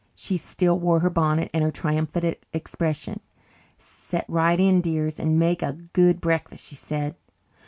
She still wore her bonnet and her triumphant expression. "Set right in, dears, and make a good breakfast," she said.